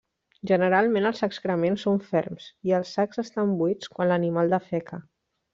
Generalment els excrements són ferms i els sacs estan buits quan l'animal defeca.